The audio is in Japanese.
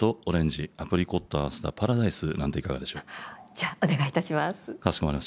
じゃあお願いいたします。